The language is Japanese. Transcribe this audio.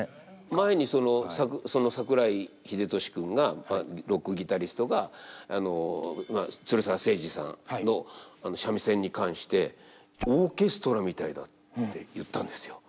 前にその桜井秀俊君がロックギタリストが鶴澤清治さんの三味線に関してオーケストラみたいだって言ったんですよ。